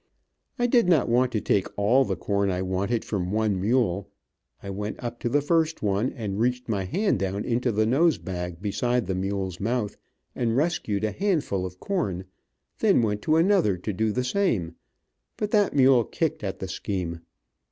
I did not want to take all the corn I wanted from one mule, so I decided to take toll from all of them. I went up to the first one, and reached my hand down into the nose bag beside the mule's mouth and rescued a handful of corn, then went to another to do the same, but that mule kicked at the scheme.